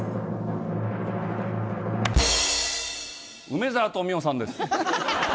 梅沢富美男さんです。